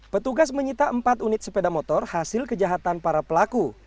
petugas menyita empat unit sepeda motor hasil kejahatan para pelaku